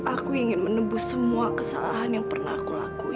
aku ingin menebus semua kesalahan yang pernah terjadi